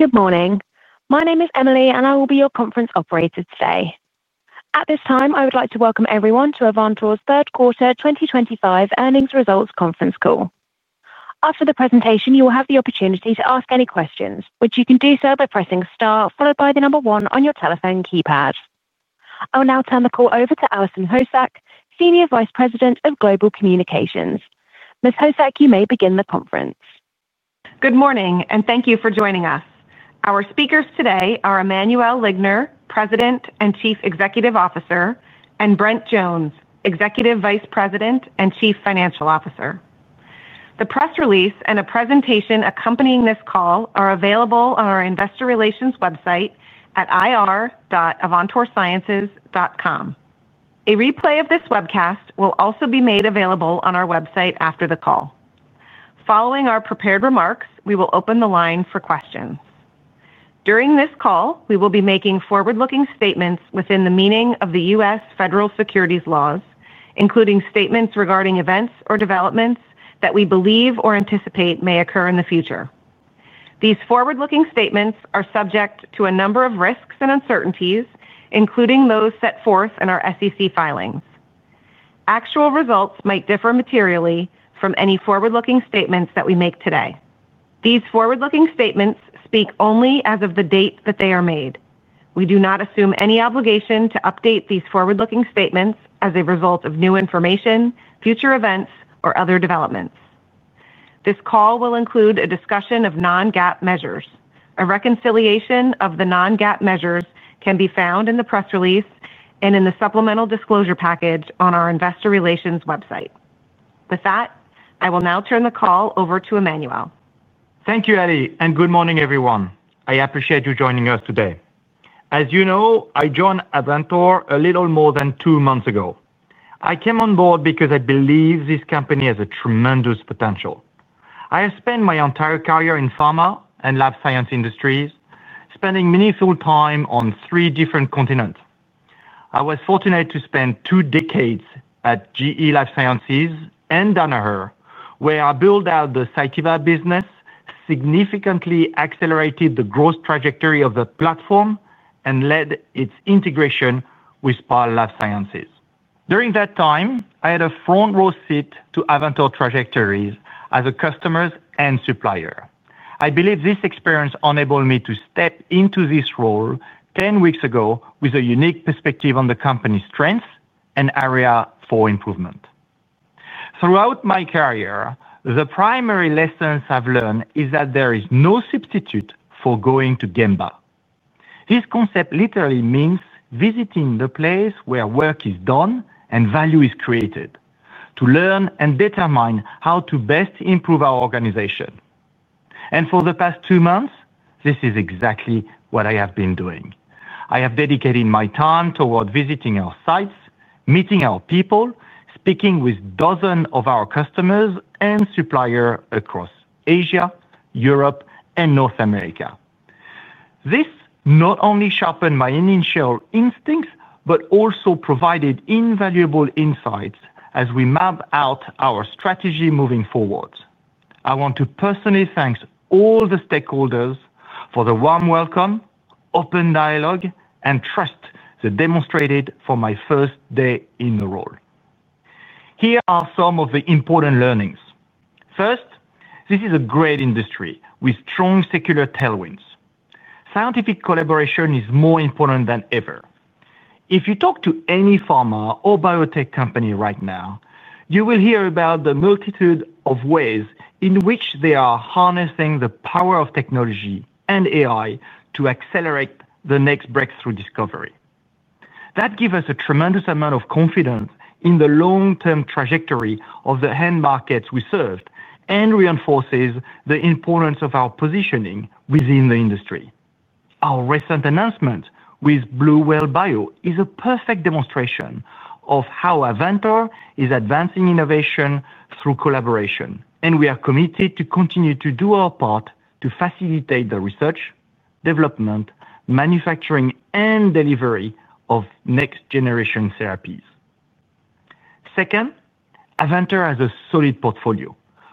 Good morning. My name is Emily and I will be your conference operator today. At this time I would like to welcome everyone to Avantor's third quarter 2025 earnings results conference call. After the presentation you will have the opportunity to ask any questions, which you can do so by pressing star followed by the number one on your telephone keypad. I will now turn the call over to Allison Hosak, Senior Vice President of Global Communications. Ms. Hosak, you may begin the conference. Good morning and thank you for joining us. Our speakers today are Emmanuel Ligner, President and Chief Executive Officer, and Brent Jones, Executive Vice President and Chief Financial Officer. The press release and a presentation accompanying this call are available on our investor relations website at ir.avantorsciences.com. A replay of this webcast will also be made available on our website after the call. Following our prepared remarks, we will open the line for questions. During this call we will be making forward-looking statements within the meaning of the U.S. federal securities laws, including statements regarding events or developments that we believe or anticipate may occur in the future. These forward-looking statements are subject to a number of risks and uncertainties, including those set forth in our SEC filings. Actual results might differ materially from any forward-looking statements that we make today. These forward-looking statements speak only as of the date that they are made. We do not assume any obligation to update these forward-looking statements as a result of new information, future events, or other developments. This call will include a discussion of non-GAAP measures. A reconciliation of the non-GAAP measures can be found in the press release and in the supplemental disclosure package on our investor relations website. With that, I will now turn the call over to Emmanuel. Thank you, Ali, and good morning, everyone. I appreciate you joining us today. As you know, I joined Avantor a little more than two months ago. I came on board because I believe this company has tremendous potential. I have spent my entire career in pharma and lab science industries, spending meaningful time on three different continents. I was fortunate to spend two decades at GE Life Sciences and Danaher, where I built out the Sativa business, significantly accelerated the growth trajectory of the platform, and led its integration with SPA Life Sciences. During that time, I had a front row seat to Avantor trajectories as a customer and supplier. I believe this experience enabled me to step into this role 10 weeks ago with a unique perspective on the company's strengths and areas for improvement. Throughout my career, the primary lesson I've learned is that there is no substitute for going to Gemba. This concept literally means visiting the place where work is done and value is created to learn and determine how to best improve our organization. For the past two months, this is exactly what I have been doing. I have dedicated my time toward visiting our sites, meeting our people, speaking with dozens of our customers and suppliers across Asia, Europe, and North America. This not only sharpened my initial instincts, but also provided invaluable insights as we map out our strategy moving forward. I want to personally thank all the stakeholders for the warm welcome, open dialogue, and trust they demonstrated from my first day in the role. Here are some of the important learnings. First, this is a great industry with strong secular tailwinds. Scientific collaboration is more important than ever. If you talk to any pharma or biotech company right now, you will hear about the multitude of ways in which they are harnessing the power of technology and AI to accelerate the next breakthrough discovery. That gives us a tremendous amount of confidence in the long term trajectory of the end markets we serve and reinforces the importance of our positioning within the industry. Our recent announcement with Blue Whale Bio is a perfect demonstration of how Avantor is advancing innovation through collaboration, and we are committed to continue to do our part to facilitate the research, development, manufacturing, and delivery of next generation therapies. Second, Avantor has a solid portfolio,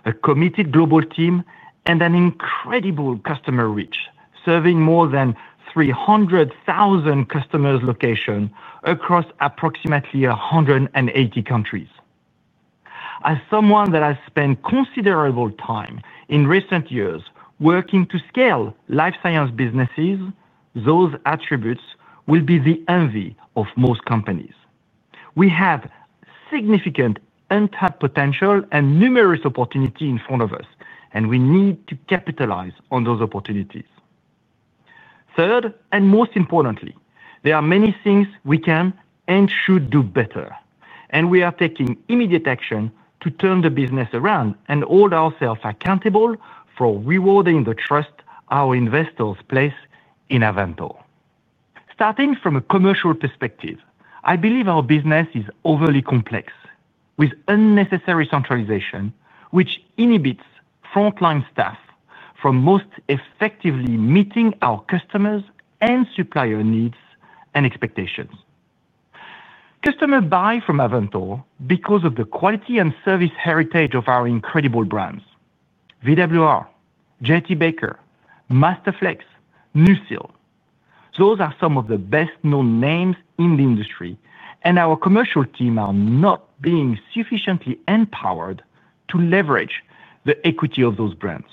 a committed global team, and an incredible customer reach serving more than 300,000 customer locations across approximately 180 countries. As someone that has spent considerable time in recent years working to scale life science businesses, those attributes will be the envy of most companies. We have significant untapped potential and numerous opportunities in front of us, and we need to capitalize on those opportunities. Third, and most importantly, there are many things we can and should do better, and we are taking immediate action to turn the business around and hold ourselves accountable for rewarding the trust our investors place in Avantor. Starting from a commercial perspective, I believe our business is overly complex with unnecessary centralization, which inhibits frontline staff from most effectively meeting our customers' and supplier needs and expectations. Customers buy from Avantor because of the quality and service heritage of our incredible brands. VWR, JT Baker, Masterflex, NuSil, those are some of the best-known names in the industry, and our commercial team are not being sufficiently empowered to leverage the equity of those brands.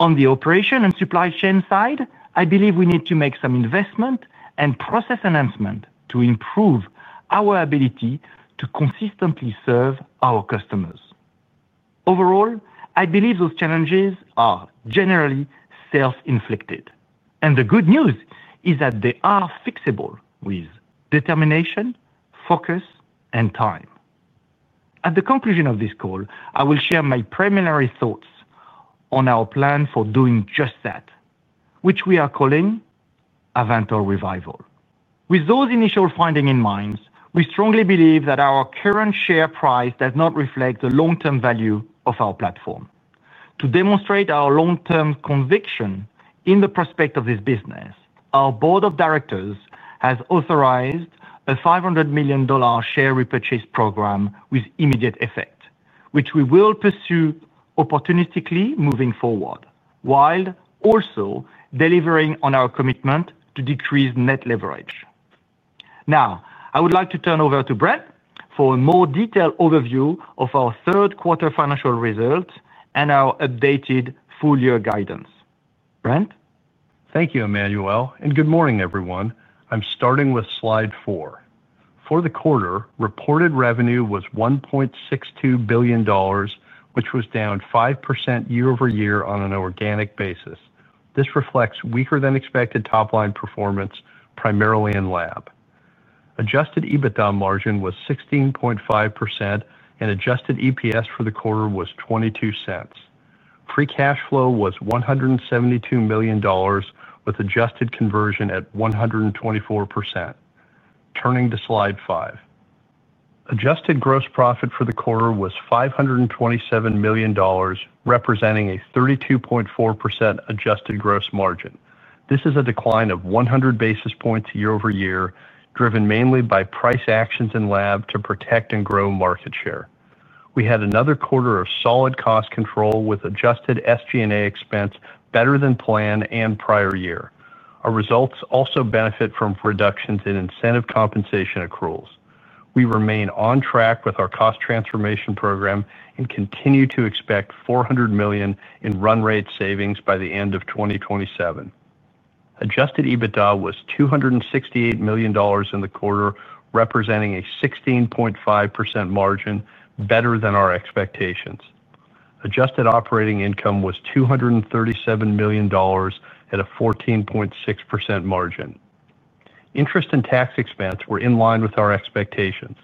On the operation and supply chain side, I believe we need to make some investment and process enhancement to improve our ability to consistently serve our customers. Overall, I believe those challenges are generally self-inflicted, and the good news is that they are fixable with determination, focus, and time. At the conclusion of this call, I will share my preliminary thoughts on our plan for doing just that, which we are calling Avantor Revival. With those initial findings in mind, we strongly believe that our current share price does not reflect the long-term value of our platform. To demonstrate our long-term conviction in the prospect of this business, our Board of Directors has authorized a $500 million share repurchase program with immediate effect, which we will pursue opportunistically moving forward while also delivering on our commitment to decrease net leverage. Now I would like to turn over to Brent for a more detailed overview of our third quarter financial results and our updated full year guidance. Brent, thank you, Emmanuelle, and good morning, everyone. I'm starting with slide four for the quarter. Reported revenue was $1.62 billion, which was down 5% year-over-year on an organic basis. This reflects weaker than expected top line performance, primarily in Lab. Adjusted EBITDA margin was 16.5%, and adjusted EPS for the quarter was $0.22. Free cash flow was $172 million, with adjusted conversion at 124%. Turning to slide five, adjusted gross profit for the quarter was $527 million, representing a 32.4% adjusted gross margin. This is a decline of 100 basis points year over year, driven mainly by price actions in Lab to protect and grow market share. We had another quarter of solid cost control, with adjusted SG&A expense better than planned and prior year. Our results also benefit from reductions in incentive compensation accruals. We remain on track with our cost transformation program and continue to expect $400 million in run rate savings by the end of 2027. Adjusted EBITDA was $268 million in the quarter, representing a 16.5% margin, better than our expectations. Adjusted operating income was $237 million at a 14.6% margin. Interest and tax expense were in line with our expectations.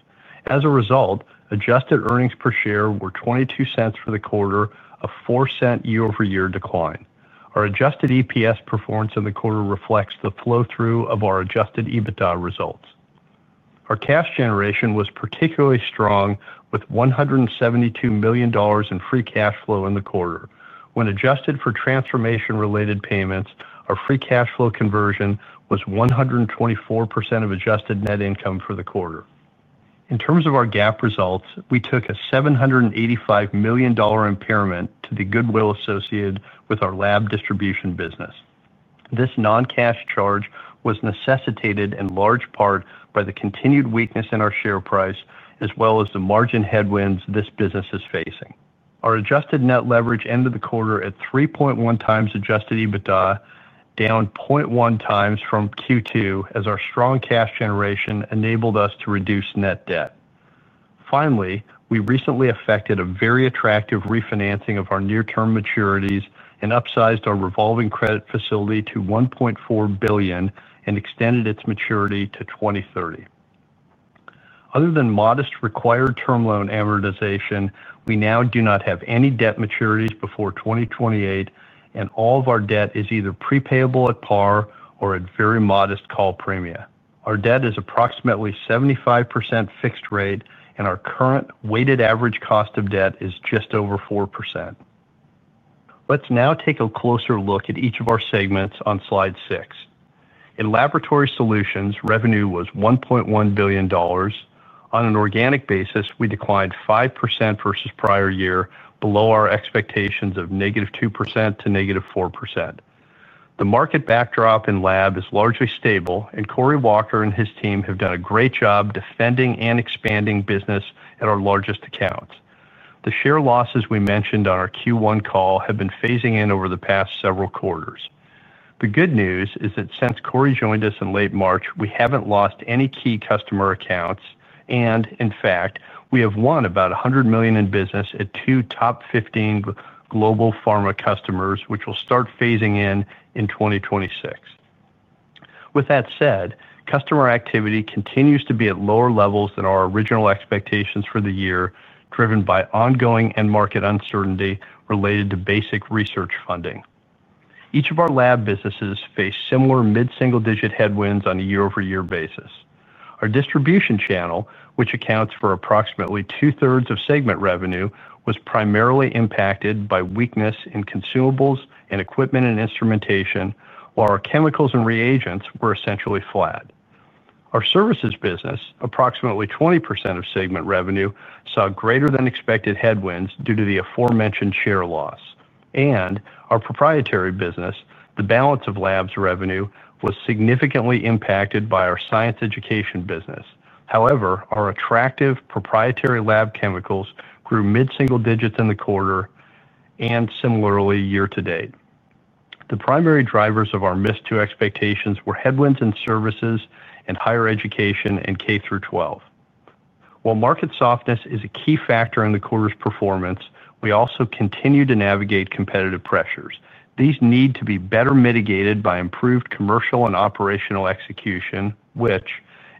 As a result, adjusted earnings per share were $0.22 for the quarter, a $0.04 year-over-year decline. Our adjusted EPS performance in the quarter reflects the flow through of our adjusted EBITDA results. Our cash generation was particularly strong, with $172 million in free cash flow in the quarter. When adjusted for transformation related payments, our free cash flow conversion was 124% of adjusted net income for the quarter. In terms of our GAAP results, we took a $785 million impairment to the goodwill associated with our Lab distribution business. This non-cash charge was necessitated in large part by the continued weakness in our share price as well as the margin headwinds this business is facing. Our adjusted net leverage ended the quarter at 3.1 times adjusted EBITDA, down 0.1 times from Q2, as our strong cash generation enabled us to reduce net debt. Finally, we recently effected a very attractive refinancing of our near term maturities and upsized our revolving credit facility to $1.4 billion and extended its maturity to 2030. Other than modest required term loan amortization, we now do not have any debt maturities before 2028, and all of our debt is either prepayable at par or at very modest call premium. Our debt is approximately 75% fixed rate and our current weighted average cost of debt is just over 4%. Let's now take a closer look at each of our segments on Slide six. In Laboratory Solutions, revenue was $1.1 billion. On an organic basis, we declined 5% versus prior year, below our expectations of negative 2% to negative 4%. The market backdrop in Lab is largely stable and Corey Walker and his team have done a great job defending and expanding business at our largest accounts. The share losses we mentioned on our Q1 call have been phasing in over the past several quarters. The good news is that since Corey joined us in late March, we haven't lost any key customer accounts and in fact we have won about $100 million in business at two top 15 global pharma customers which will start phasing in in 2026. With that said, customer activity continues to be at lower levels than our original expectations for the year, driven by ongoing end market uncertainty related to basic research funding. Each of our Lab businesses face similar mid single digit headwinds on a year-over-year basis. Our distribution channel, which accounts for approximately two thirds of segment revenue, was primarily impacted by weakness in consumables and equipment and instrumentation, while our chemicals and reagents were essentially flat. Our services business, approximately 20% of segment revenue, saw greater than expected headwinds due to the aforementioned share loss and our proprietary business, the balance of Lab's revenue, was significantly impacted by our science education business. However, our attractive proprietary lab chemicals grew mid single digits in the quarter and similarly year to date. The primary drivers of our MIS2 expectations were headwinds in services and higher education and K through 12. While market softness is a key factor in the quarter's performance, we also continue to navigate competitive pressures. These need to be better mitigated by improved commercial and operational execution, which,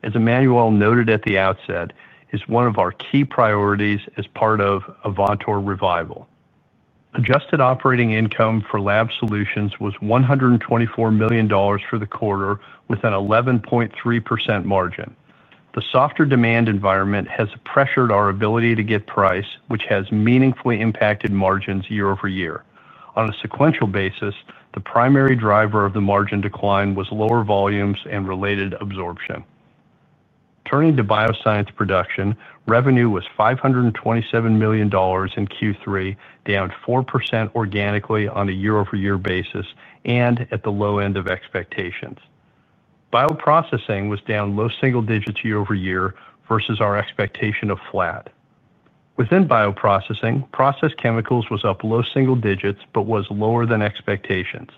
as Emmanuelle noted at the outset, is one of our key priorities as part of Avantor revival. Adjusted operating income for Laboratory Solutions was $124 million for the quarter with an 11.3% margin. The softer demand environment has pressured our ability to get price, which has meaningfully impacted margins year-over-year on a sequential basis. The primary driver of the margin decline was lower volumes and related absorption. Turning to bioscience production, revenue was $527 million in Q3, down 4% organically on a year-over-year basis and at the low end of expectations. Bioprocessing was down low single digits year-over-year versus our expectation of flat. Within bioprocessing, processed chemicals was up low single digits but was lower than expectations.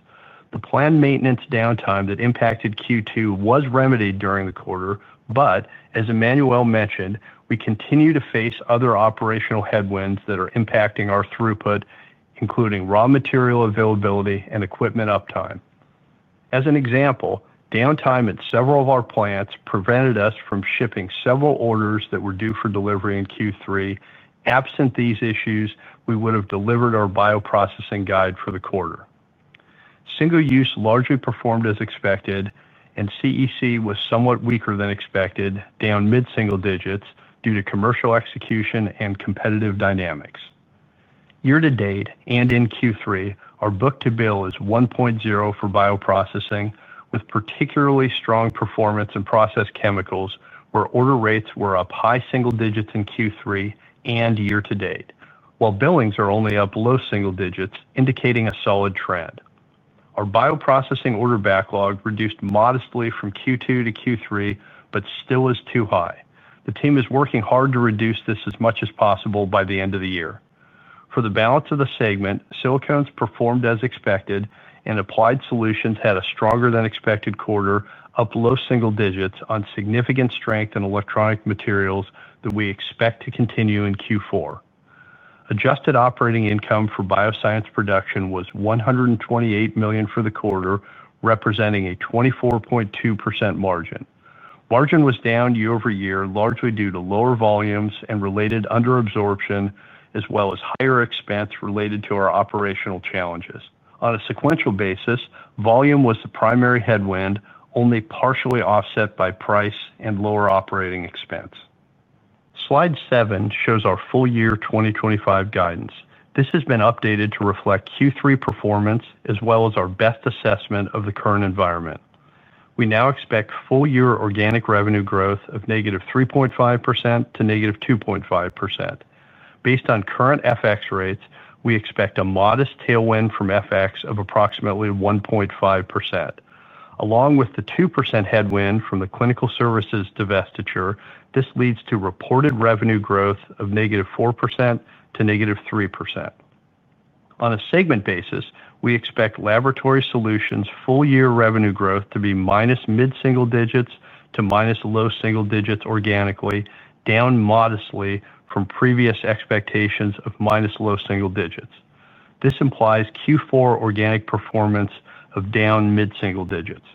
The planned maintenance downtime that impacted Q2 was remedied during the quarter, but as Emmanuel Ligner mentioned, we continue to face other operational headwinds that are impacting our throughput, including raw material availability and equipment uptime. As an example, downtime at several of our plants prevented us from shipping several orders that were due for delivery in Q3. Absent these issues, we would have delivered our bioprocessing guide for the quarter. Single-use largely performed as expected, and controlled environment consumables was somewhat weaker than expected, down mid single digits due to commercial execution and competitive dynamics year to date and in Q3. Our book to bill is 1.0 for bioprocessing, with particularly strong performance in processed chemicals where order rates were up high single digits in Q3 and year to date, while billings are only up low single digits, indicating a solid trend. Our bioprocessing order backlog reduced modestly from Q2 to Q3 but still is too high. The team is working hard to reduce this as much as possible by the end of the year. For the balance of the segment, silicones performed as expected and Applied Solutions had a stronger than expected quarter, up low single digits on significant strength in electronic materials that we expect to continue in Q4. Adjusted operating income for bioscience production was $128 million for the quarter, representing a 24.2% margin. Margin was down year-over-year largely due to lower volumes and related under absorption as well as higher expense related to our operational challenges. On a sequential basis, volume was the primary headwind, only partially offset by price and lower operating expense. Slide seven shows our full year 2025 guidance. This has been updated to reflect Q3 performance as well as our best assessment of the current environment. We now expect full year organic revenue growth of negative 3.5% to negative 2.5%. Based on current FX rates, we expect a modest tailwind from FX of approximately 1.5% along with the 2% headwind from the clinical services divestiture, and this leads to reported revenue growth of negative 4% to negative 3%. On a segment basis, we expect Laboratory Solutions full year revenue growth to be minus mid single digits to minus low single digits organically, down modestly from previous expectations of minus low single digits. This implies Q4 organic performance of down mid single digits.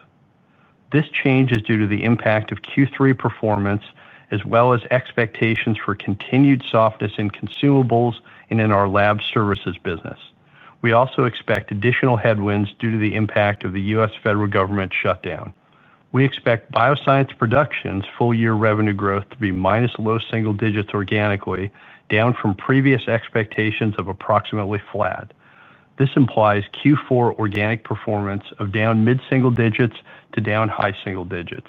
This change is due to the impact of Q3 performance as well as expectations for continued softness in consumables and in our lab services business. We also expect additional headwinds due to the impact of the U.S. Federal government shutdown. We expect Bioscience production's full year revenue growth to be minus low single digits organically, down from previous expectations of approximately flat. This implies Q4 organic performance of down mid single digits to down high single digits.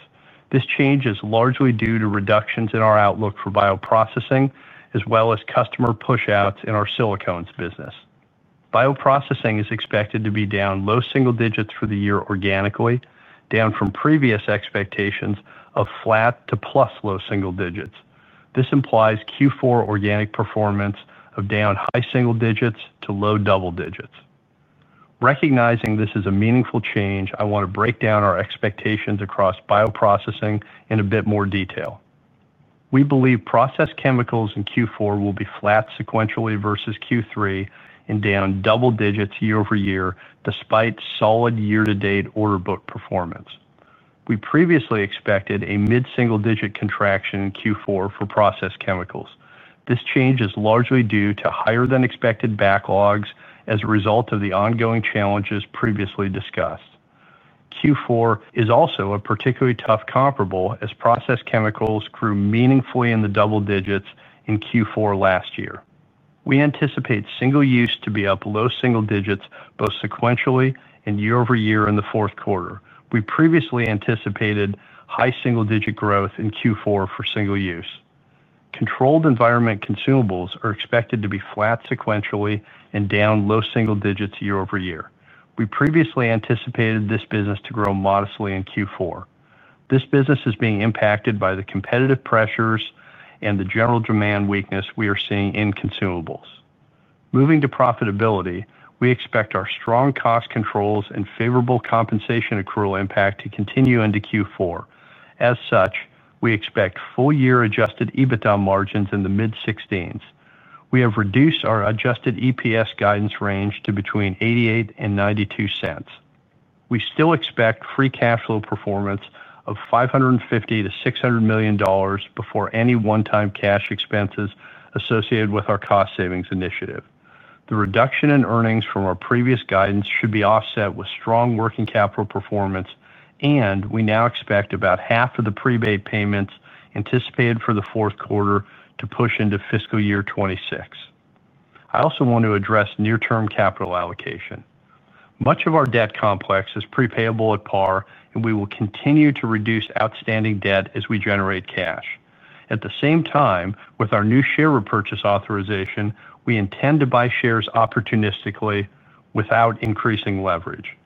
This change is largely due to reductions in our outlook for bioprocessing as well as customer pushouts. In our silicones business, bioprocessing is expected to be down low single digits for the year organically, down from previous expectations of flat to plus low single digits. This implies Q4 organic performance of down high single digits to low double digits. Recognizing this is a meaningful change, I want to break down our expectations across bioprocessing in a bit more detail. We believe processed chemicals in Q4 will be flat sequentially versus Q3 and down double digits year-over-year despite solid year to date order book performance. We previously expected a mid single digit contraction in Q4 for processed chemicals. This change is largely due to higher than expected backlogs as a result of the ongoing challenges previously discussed. Q4 is also a particularly tough comparable as processed chemicals grew meaningfully in the double digits in Q4 last year. We anticipate single use to be up low single digits both sequentially and year-over-year. In the fourth quarter, we previously anticipated a high single digit growth in Q4 for single use. Controlled environment consumables are expected to be flat sequentially and down low single digits year-over-year. We previously anticipated this business to grow modestly in Q4. This business is being impacted by the competitive pressures and the general demand weakness we are seeing in consumables. Moving to profitability, we expect our strong cost controls and favorable compensation accrual impact to continue into Q4. As such, we expect full year adjusted EBITDA margins in the mid 16s. We have reduced our adjusted EPS guidance range to between $0.88 and $0.92. We still expect free cash flow performance of $550 million to $600 million before any one-time cash expenses associated with our cost reduction initiative. The reduction in earnings from our previous guidance should be offset with strong working capital performance, and we now expect about half of the prebate payments anticipated for the fourth quarter to push into fiscal year 2026. I also want to address near-term capital allocation. Much of our debt complex is prepayable at par, and we will continue to reduce outstanding debt as we generate cash. At the same time, with our new share repurchase authorization, we intend to buy shares opportunistically without increasing leverage.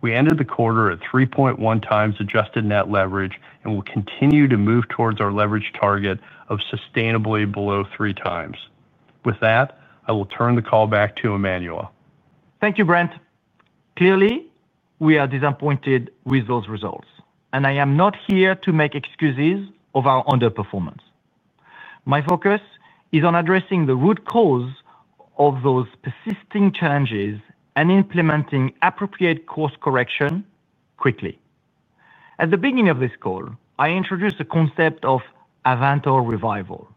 We ended the quarter at 3.1 times adjusted net leverage and will continue to move towards our leverage target of sustainably below three times. With that, I will turn the call back to Emmanuel. Thank you, Brent. Clearly, we are disappointed with those results, and I am not here to make excuses for our underperformance. My focus is on addressing the root cause of those persisting challenges and implementing appropriate course correction quickly. At the beginning of this call, I introduced the concept of Avantor revival.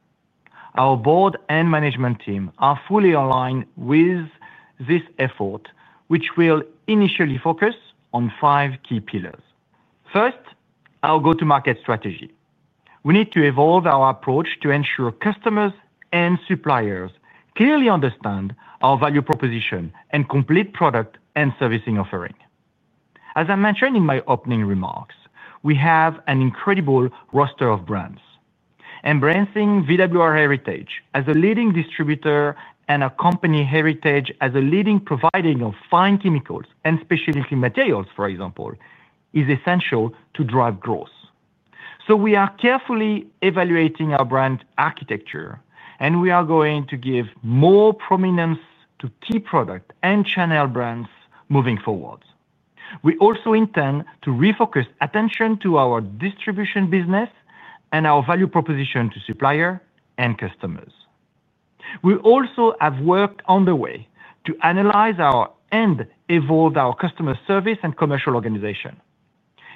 Our Board and management team are fully aligned with this effort, which will initially focus on five key pillars. First, our go-to-market strategy. We need to evolve our approach to ensure customers and suppliers clearly understand our value proposition and complete product and service offering. As I mentioned in my opening remarks, we have an incredible roster of brands. Embracing VWR heritage as a leading distributor and our company heritage as a leading provider of fine chemicals and specialty materials, for example, is essential to drive growth. We are carefully evaluating our brand architecture, and we are going to give more prominence to key product and channel brands moving forward. We also intend to refocus attention to our distribution business and our value proposition to suppliers and customers. We have work underway to analyze our end and evolve our customer service and commercial organization.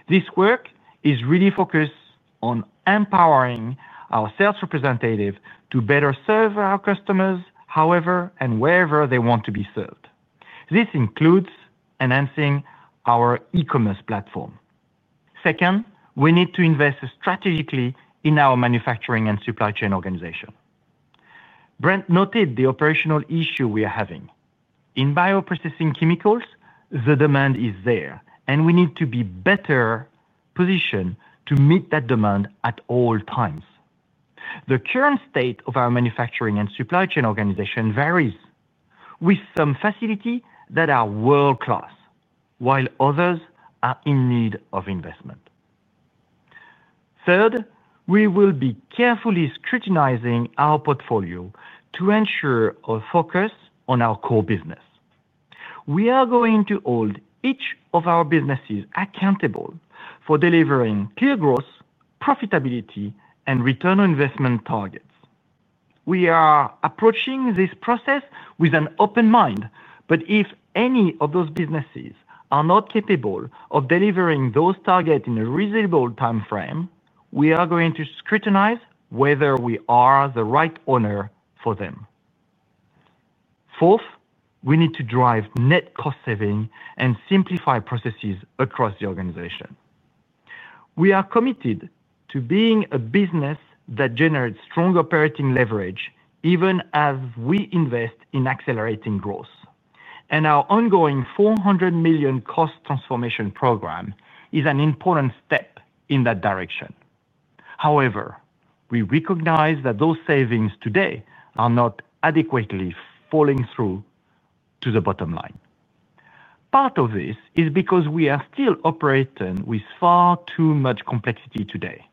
This work is really focused on empowering our sales representatives to better serve our customers, however and wherever they want to be served. This includes enhancing our e-commerce platform. Second, we need to invest strategically in our manufacturing and supply chain organization. Brent noted the operational issue we are having in bioprocessing chemicals. The demand is there, and we need to be better positioned to meet that demand at all times. The current state of our manufacturing and supply chain organization varies, with some facilities that are world-class while others are in need of investment. Third, we will be carefully scrutinizing our portfolio to ensure our focus on our core business. We are going to hold each of our businesses accountable for delivering clear growth, profitability, and return on investment targets. We are approaching this process with an open mind, but if any of those businesses are not capable of delivering those targets in a reasonable time frame, we are going to scrutinize whether we are the right owner for them. Fourth, we need to drive net cost saving and simplify processes across the organization. We are committed to being a business that generates strong operating leverage even as we invest in accelerating growth, and our ongoing $400 million cost transformation program is an important step in that direction. However, we recognize that those savings today are not adequately falling through to the bottom line. Part of this is because we are still operating with far too much complexity today.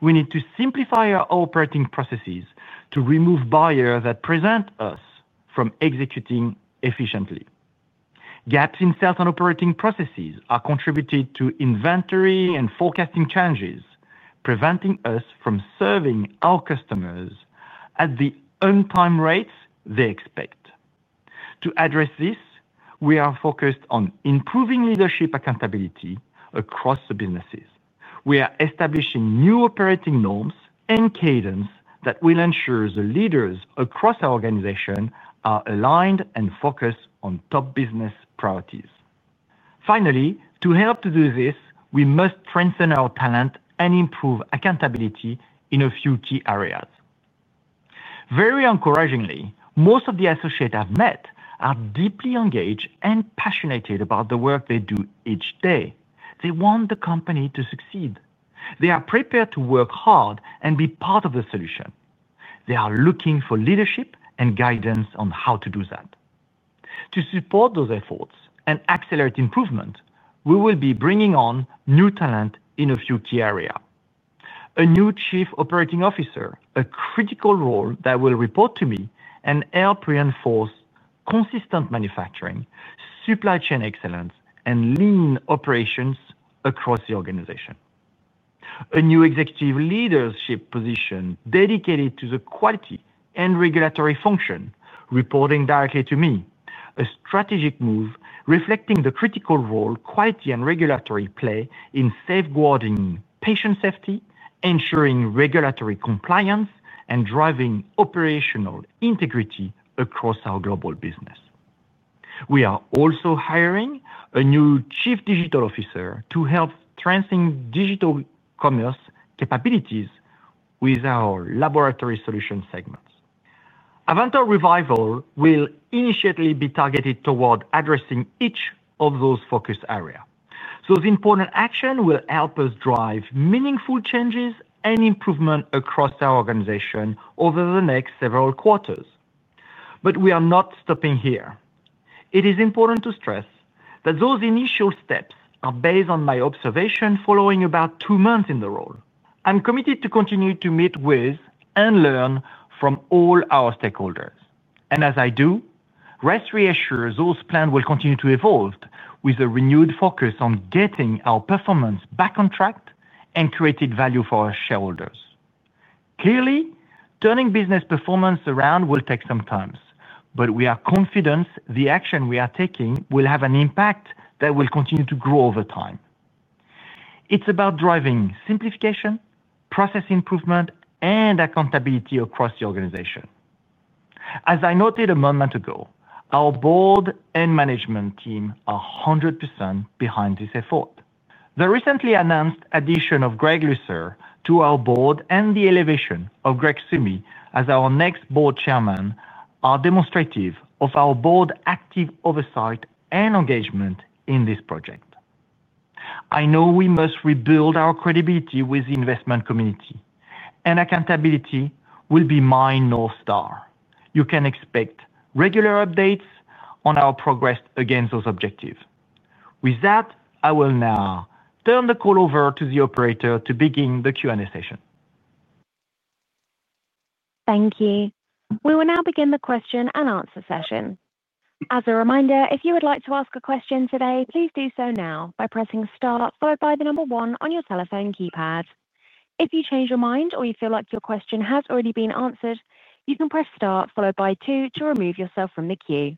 We need to simplify our operating processes to remove barriers that prevent us from executing efficiently. Gaps in sales and operating processes are contributing to inventory and forecasting changes, preventing us from serving our customers at the on-time rates they expect. To address this, we are focused on improving leadership accountability across the businesses. We are establishing new operating norms and cadence that will ensure the leaders across our organization are aligned and focused on top business priorities. Finally, to help do this, we must strengthen our talent and improve accountability in a few key areas. Very encouragingly, most of the associates I've met are deeply engaged and passionate about the work they do each day. They want the company to succeed. They are prepared to work hard and be part of the solution. They are looking for leadership and guidance on how to do that. To support those efforts and accelerate improvement, we will be bringing on new talent in a few key areas. A new Chief Operating Officer, a critical role that will report to me and help reinforce consistent manufacturing, supply chain excellence, and lean operations across the organization. A new executive leadership position dedicated to the quality and regulatory function, reporting directly to me. A strategic move reflecting the critical role quality and regulatory play in safeguarding patient safety, ensuring regulatory compliance, and driving operational integrity across our global business. We are also hiring a new Chief Digital Officer to help transcend digital commerce and capabilities with our Laboratory Solutions segments. Avantor Revival will initially be targeted toward addressing each of those focus areas. The important action will help us drive meaningful changes and improvement across our organization over the next several quarters. It is important to stress that those initial steps are based on my observation. Following about two months in the role, I'm committed to continue to meet with and learn from all our stakeholders, and as I do, rest reassured, those plans will continue to evolve with a renewed focus on getting our performance back on track and creating value for our shareholders. Clearly, turning business performance around will take some time, but we are confident the action we are taking will have an impact that will continue to grow over time. It's about driving simplification, process improvement, and accountability across the organization. As I noted a moment ago, our Board and management team are 100% behind this effort. The recently announced addition of Greg Lusser to our Board and the elevation of Greg Sumi as our next Board Chairman are demonstrative of our Board's active oversight and engagement in this project. I know we must rebuild our credibility with the investment community, and accountability will be my North Star. You can expect regular updates on our progress against those objectives. With that, I will now turn the call over to the operator to begin the Q&A session. Thank you. We will now begin the question and answer session. As a reminder, if you would like to ask a question today, please do so now by pressing star followed by the number one on your telephone keypad. If you change your mind or you feel like your question has already been answered, you can press star followed by two to remove yourself from the queue.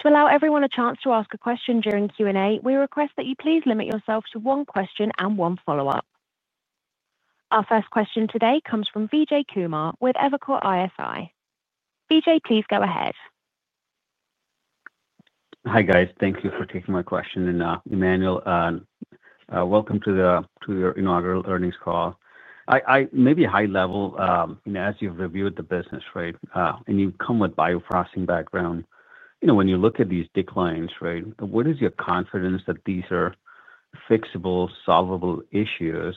To allow everyone a chance to ask a question during Q&A, we request that you please limit yourself to one question and one follow-up. Our first question today comes from Vijay Kumar with Evercore ISI. Vijay, please go ahead. Hi guys, thank you for taking my question. Emmanuel, welcome to your inaugural earnings call. Maybe high level as you've reviewed the business, right, and you've come with bioprocessing background, when you look at these declines, what is your confidence that these are fixable, solvable issues?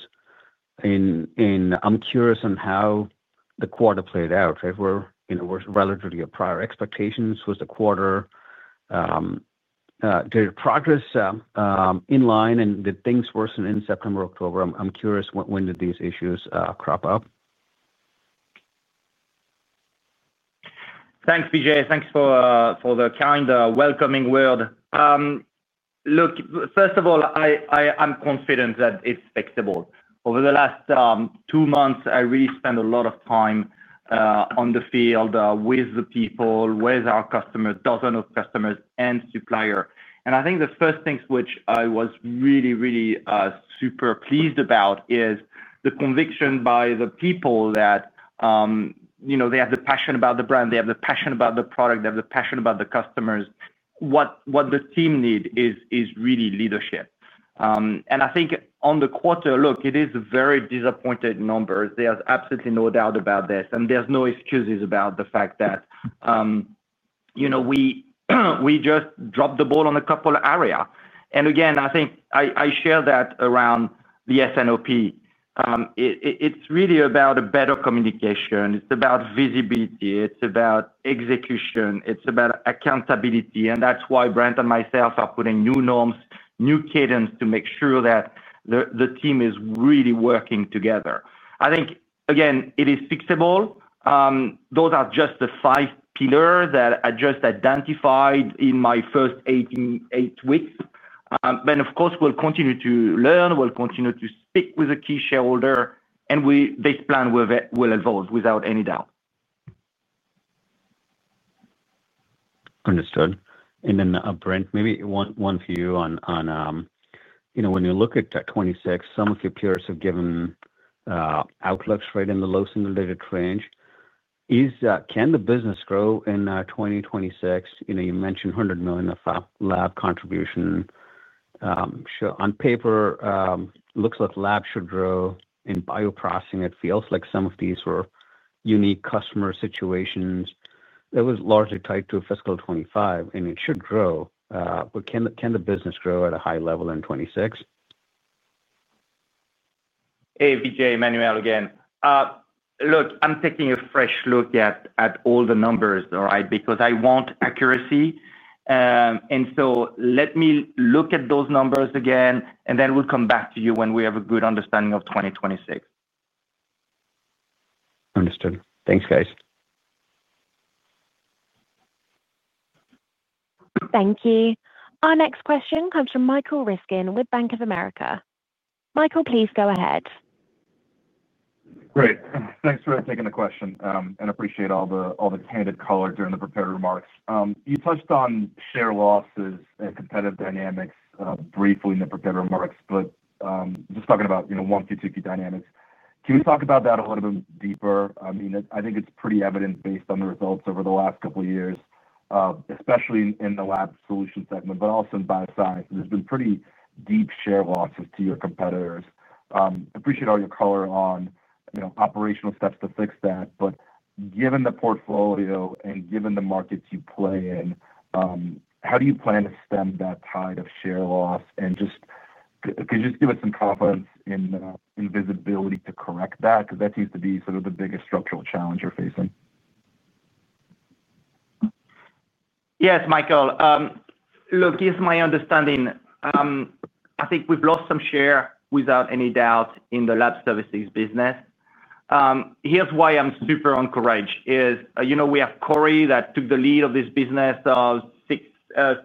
I'm curious on how the quarter played out relative to your prior expectations. Was the quarter progress in line and did things worsen in September, October? I'm curious when did these issues crop up? Thanks, Vijay. Thanks for the kind welcoming word. First of all, I'm confident that it's fixable. Over the last two months, I really spent a lot of time in the field with the people, with our customers, dozens of customers and suppliers, and I think the first thing which I was really, really super pleased about is the conviction by the people that they have the passion about the brand, they have the passion about the product, they have the passion about the customers. What the team needs is really leadership, and I think on the quarter, it is very disappointing numbers. There's absolutely no doubt about this, and there's no excuses about the fact that we just dropped the ball on a couple areas. I think I share that around the S&OP. It's really about better communication, it's about visibility, it's about execution, it's about accountability, and that's why Brent and myself are putting new norms, new cadence to make sure that the team is really working together. I think again, it is fixable. Those are just the five pillars that I just identified in my first eight weeks. Of course, we'll continue to learn, we'll continue to speak with a key shareholder, and this plan will evolve without any doubt. Understood. Brent, maybe one for you on, you know, when you look at 2026, some of your peers have given outlooks right in the low single digit range. Can the business grow in 2026? You mentioned $100 million of lab contribution on paper. Looks like lab should grow in bioprocessing. It feels like some of these were unique customer situations that was largely tied to fiscal 2025 and it should grow. Can the business grow at a high level in 2026? Hey, Vijay, Emmanuelle again. Look, I'm taking a fresh look at all the numbers because I want accuracy, and let me look at those numbers again and then we'll come back to you when we have a good understanding of 2026. Understood. Thanks, guys. Thank you. Our next question comes from Michael Ryskin with Bank of America. Michael, please go ahead. Great. Thanks for taking the question and appreciate all the candid color during the prepared remarks. You touched on share losses and competitive dynamics briefly in the prepared remarks, just talking about, you know, 1Q, 2Q dynamics. Can we talk about that a little bit deeper? I mean, I think it's pretty evident based on the results over the last couple of years, especially in the Laboratory Solutions segment, but also in bioscience, there's been pretty deep share losses to your competitors. Appreciate all your color on operational steps to fix that. Given the portfolio and given the markets you play in, how do you plan to stem that tide of share loss? Could you just give us some confidence and visibility to correct that? That seems to be sort of the biggest structural challenge you're facing. Yes, Michael, look, here's my understanding. I think we've lost some share without any doubt in the lab services business. Here's why I'm super encouraged: we have Corey that took the lead of this business six,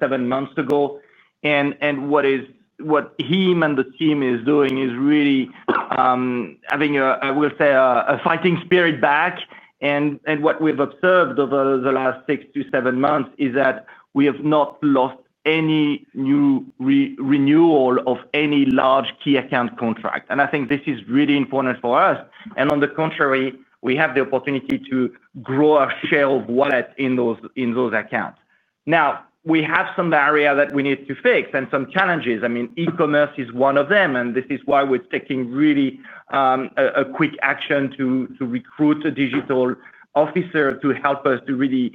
seven months ago, and what he and the team is doing is really having, I will say, a fighting spirit back. What we've observed over the last six to seven months is that we have not lost any new renewal of any large key account contract. I think this is really important for us. On the contrary, we have the opportunity to grow our share of wallet in those accounts. Now, we have some barrier that we need to fix and some challenges. E-commerce is one of them. This is why we're taking really quick action to recruit a digital officer to help us to really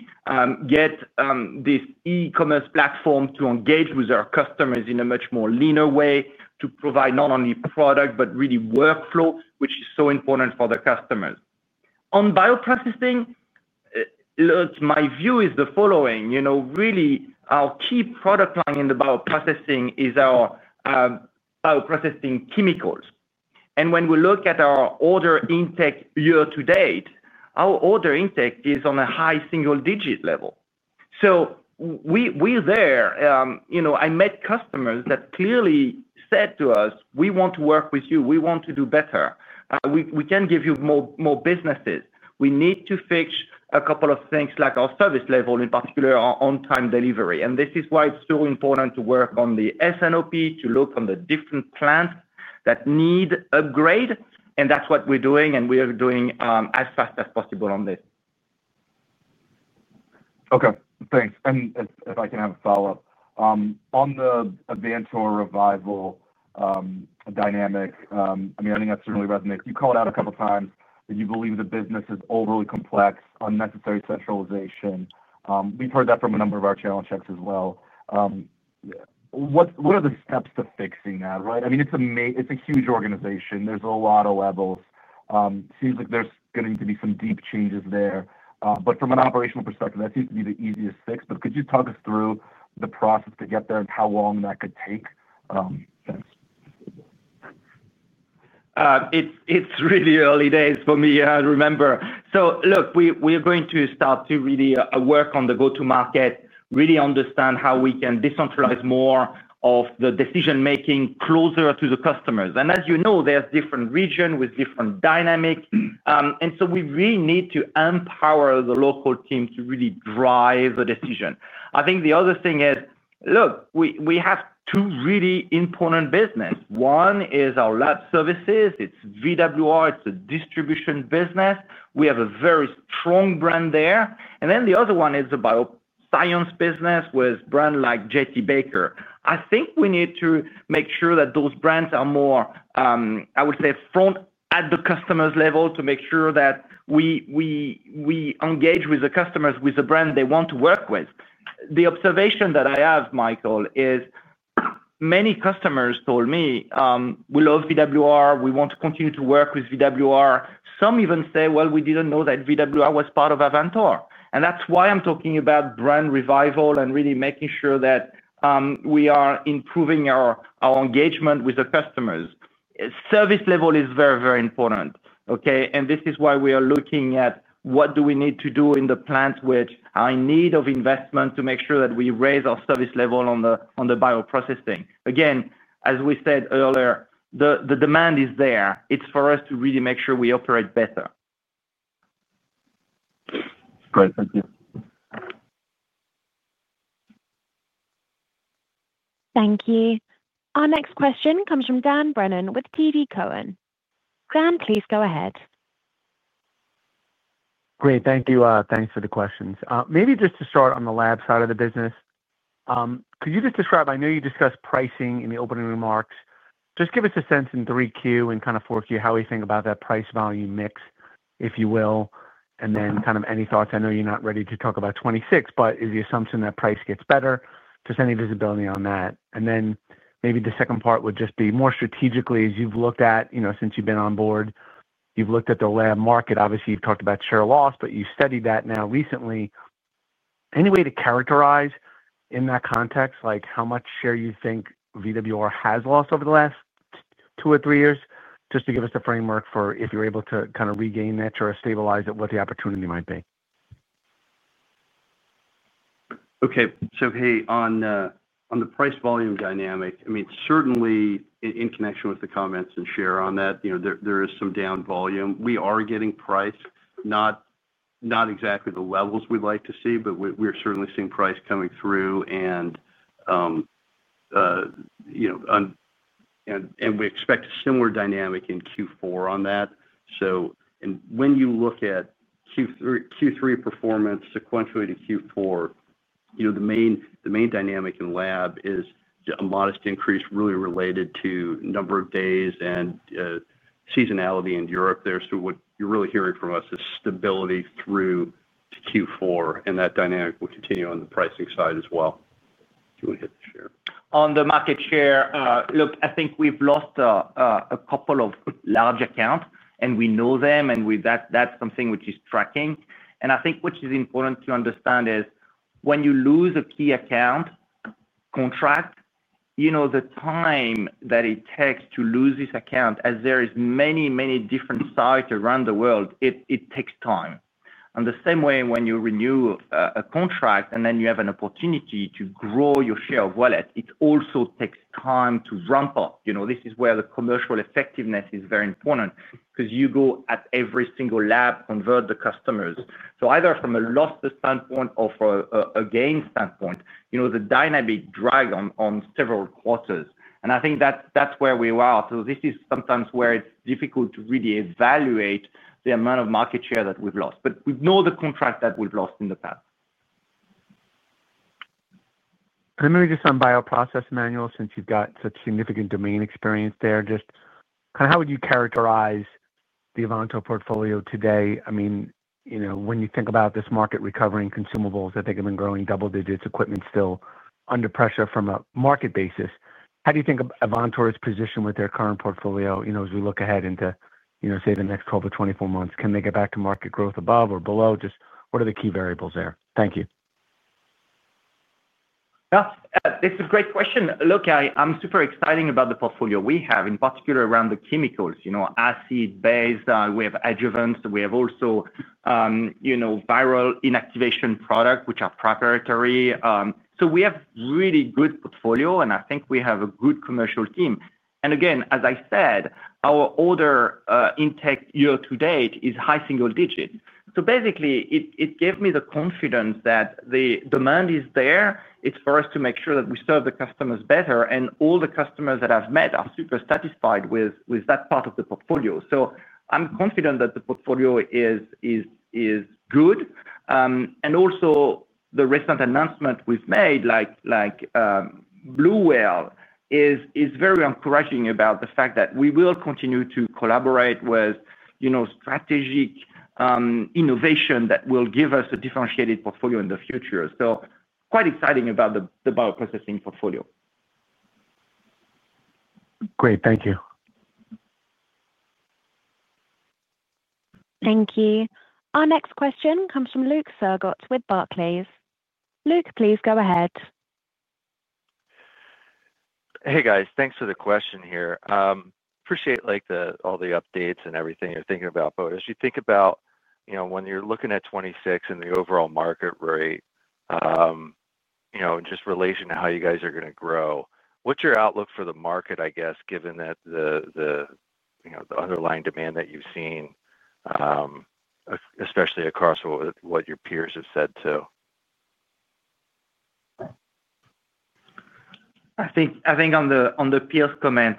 get this AI-enabled e-commerce platform to engage with our customers in a much more leaner way, to provide not only product but really workflow, which is so important for the customers. On bioprocessing, my view is the following. Really, our key product line in bioprocessing is our bioprocessing chemicals. When we look at our order intake year to date, our order intake is on a high single-digit level. We're there. I met customers that clearly said to us, we want to work with you, we want to do better, we can give you more business. We need to fix a couple of things, like our service level, in particular our on-time delivery. This is why it's so important to work on the S&OP, to look on the different plants that need upgrade. That's what we're doing, and we are doing as fast as possible on this. Okay, thanks. If I can have a follow up on the Avantor revival dynamic, I think that certainly resonates. You called out a couple times that you believe the business is overly complex, unnecessary centralization. We've heard that from a number of our channel checks as well. What are the steps to fixing that? I mean it's a huge organization, there's a lot of levels. It seems like there's going to be some deep changes there. From an operational perspective that seems to be the easiest fix. Could you talk us through the process to get there and how long that could take? It's really early days for me, remember. Look, we are going to start to really work on the go to market. Really understand how we can decentralize more of the decision making closer to the customers. As you know, there's different regions with different dynamics, and we really need to empower the local team to really drive the decision. I think the other thing is, look, we have two really important businesses. One is our Lab Services, it's VWR, it's a distribution business. We have a very strong brand there. The other one is a bioscience business with brands like JT Baker. I think we need to make sure that those brands are more, I would say, front at the customer's level to make sure that we engage with the customers with the brand they want to work with. The observation that I have, Michael, is many customers told me, we love VWR. We want to continue to work with VWR. Some even say they didn't know that VWR was part of Avantor. That's why I'm talking about brand revival and really making sure that we are improving our engagement with the customers. Service level is very, very important. This is why we are looking at what we need to do in the plant, which is in need of investment to make sure that we raise our service level on the bioprocessing. Again, as we said earlier, the demand is there. It's for us to really make sure we operate better. Thank you. Our next question comes from Daniel Brennan with T.D. Cowen. Dan, please go ahead. Great, thank you. Thanks for the questions. Maybe just to start on the lab side of the business, could you just describe, I know you discussed pricing in the opening remarks. Just give us a sense in 3Q and kind of 4Q how we think about that price, volume mix, if you will, and then any thoughts? I know you're not ready to talk about 2026, but is the assumption that price gets better, just any visibility on that? Maybe the second part would just be more strategically as you've looked at, you know, since you've been on board, you've looked at the lab market. Obviously you've talked about share loss, but you studied that now recently, any way to characterize in that context, like how much share you think VWR has lost over the last two or three years. Just to give us the framework for if you're able to kind of regain nature or stabilize it, what the opportunity might be. Okay, so on the Price Volume Dynamic, I mean, certainly in connection with the comments and share on that, you know, there is some down volume. We are getting price, not exactly the levels we'd like to see, but we're certainly seeing price coming through. You know, we expect a similar dynamic in Q4 on that. When you look at Q3 performance sequentially to Q4, the main dynamic in lab is a modest increase really related to number of days and seasonality in Europe there. What you're really hearing from us is stability through to Q4, and that dynamic will continue on the pricing side as well. On the market share, look, I think we've lost a couple of large accounts and we know them and that's something which is tracking. I think what is important to understand is when you lose a key account contract, the time that it takes to lose this account, as there are many, many different sites around the world, it takes time. In the same way, when you renew a contract and then you have an opportunity to grow your share of wallet, it also takes time to ramp up. This is where the commercial effectiveness is very important because you go at every single lab, convert the customers. Either from a loss standpoint or from a gain standpoint, the dynamic drags on several quarters and I think that's where we are. Sometimes it's difficult to really evaluate the amount of market share that we've lost but ignore the contract that we've lost in the past. Let me just on bioprocess manual, since you've got significant domain experience there, just kind of how would you characterize the Avantor portfolio today? I mean, you know, when you think about this market recovering, consumables I think have been growing double digits, equipment still under pressure from a market basis. How do you think of Avantor's position with their current portfolio? You know, as we look ahead into, you know, say the next 12 to 24 months, can they get back to market growth above or below? Just what are the key variables there? Thank you. It's a great question. Look, I'm super excited about the portfolio we have, in particular around the chemicals, you know, acid-based. We have adjuvants, we have also, you know, viral inactivation product which are preparatory. We have a really good portfolio, and I think we have a good commercial team. Again, as I said, our order intake year to date is high single digit. Basically, it gave me the confidence that the demand is there. It's for us to make sure that we serve the customers better, and all the customers that I've met are super satisfied with that part of the portfolio. I'm confident that the portfolio is good. Also, the recent announcement we've made, like Bluewhale, is very encouraging about the fact that we will continue to collaborate with, you know, strategic innovation that will give us a differentiated portfolio in the future. Quite exciting about the bioprocessing portfolio. Great, thank you. Thank you. Our next question comes from Luke Sergott with Barclays. Luke, please go ahead. Hey guys, thanks for the question here. Appreciate all the updates and everything you're thinking about. As you think about, you know, when you're looking at 2026 and the overall market rate, just relation to how you guys are going to grow, what's your outlook for the market? I guess given that the underlying demand that you've seen, especially across what your peers have said too. I think on the Pierce comment,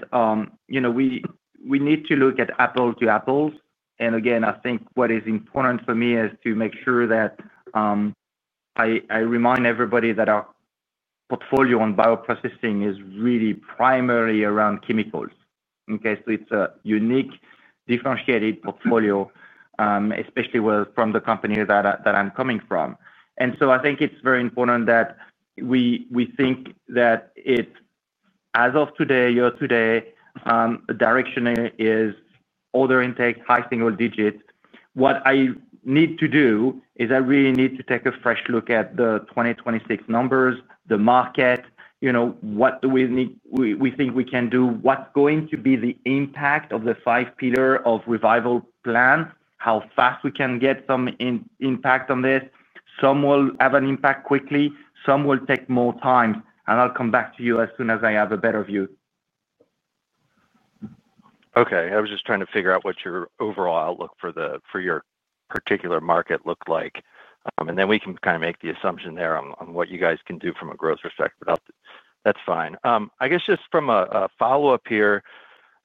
we need to look at apples to apples. I think what is important for me is to make sure that I remind everybody that our portfolio on bioprocessing is really primarily around chemicals. It's a unique, differentiated portfolio, especially from the company that I'm coming from. I think it's very important that we think that it as of today, year to date, the direction is order intake, high single digits. What I need to do is I really need to take a fresh look at the 2026 numbers, the market, what do we think we can do, what's going to be the impact of the five pillars of revival plan, how fast we can get some impact on this. Some will have an impact quickly, some will take more time. I'll come back to you as soon as I have a better view. Okay. I was just trying to figure out what your overall outlook for your particular market looks like, and then we can kind of make the assumption there on what you guys can do from a growth perspective. That's fine. I guess just from a follow-up here,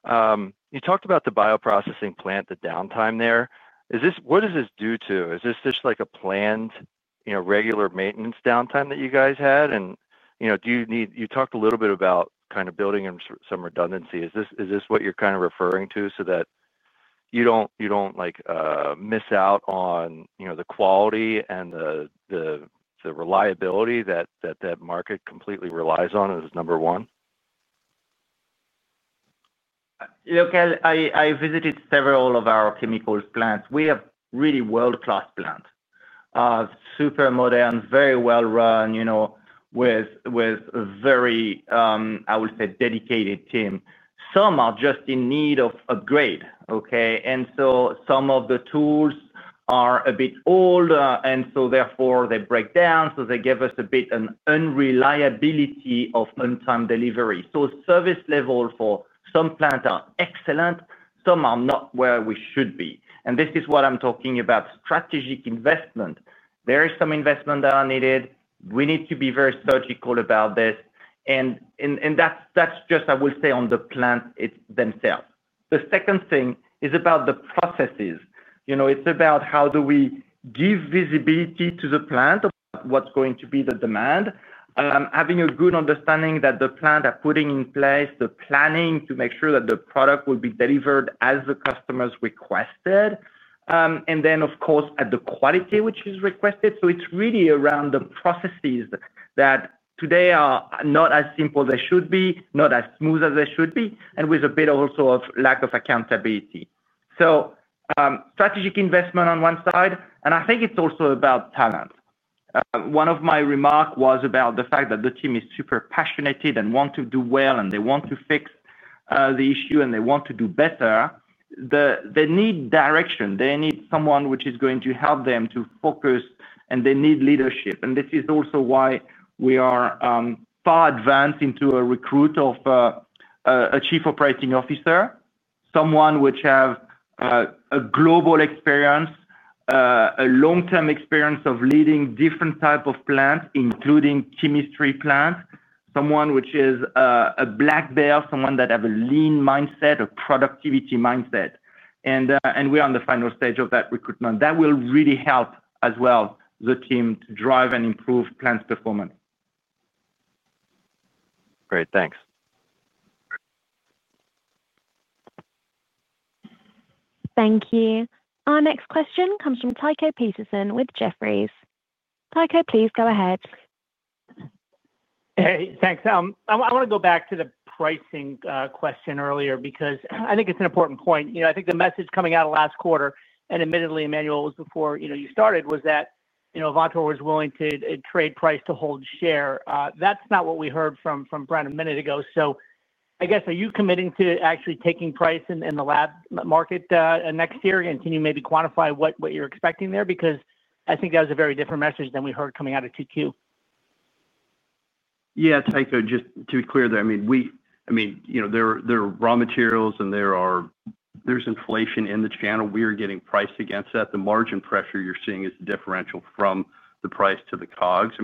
you talked about the bioprocessing plant, the downtime there. Is this just like a planned regular maintenance downtime that you guys had? You talked a little bit about kind of building some redundancy. Is this what you're kind of referring to, so that you don't miss out on the quality and the reliability that that market completely relies on as number one? Look, I visited several of our chemicals plants. We have really world-class plants, super modern, very well run, with a very, I would say, dedicated team. Some are just in need of upgrade. Some of the tools are a bit older and therefore they break down. They give us a bit of unreliability of on-time delivery. Some service level for some plants are excellent, some are not where we should be. This is what I'm talking about, strategic investment. There is some investment that are needed. We need to be very surgical about this. That's just on the plant themselves. The second thing is about the processes. It's about how do we give visibility to the plant, what's going to be the demand, having a good understanding that the plan are putting in place, the planning to make sure that the product will be delivered as the customers requested and at the quality which is requested. It's really around the processes that today are not as simple as they should be, not as smooth as they should be, with a bit also of lack of accountability. Strategic investment on one side, and I think it's also about talent. One of my remarks was about the fact that the team is super passionate and want to do well and they want to fix the issue and they want to do better. They need direction, they need someone who is going to help them to focus and they need leadership. This is also why we are far advanced into a recruit of a Chief Operating Officer, someone who has a global experience, a long-term experience of leading different type of plant, including chemistry plants, someone who is a black belt, someone that has a lean mindset, a productivity mindset. We are on the final stage of that recruitment that will really help as well the team to drive and improve plant performance. Great, thanks. Thank you. Our next question comes from Tycho Peterson with Jefferies. Tycho, please go ahead. Hey, thanks. I want to go back to the pricing question earlier because I think it's an important point. I think the message coming out of last quarter, and admittedly Emmanuel, was before you started, was that Avantor was willing to trade price to hold share. That's not what we heard from Brent a minute ago. Are you committing to actually taking price in the lab market next year, and can you maybe quantify what you're expecting there? I think that was a very different message than we heard coming out of Q2. Yeah, Tycho, just to be clear there. I mean, you know. There are raw materials and there is inflation in the channel. We are getting priced against that. The margin pressure you're seeing is differential from the price to the COGS.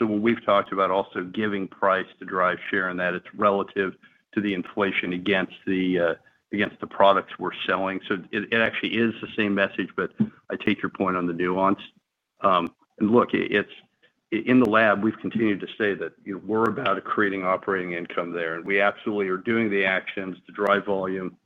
What we've talked about also is giving price to drive share in that it's relative to the inflation against the products we're selling. It actually is the same message. I take your point on the nuance and look, it's in the lab. We've continued to say that we're about. Accreting operating income there, and we absolutely. Are doing the actions to drive volume,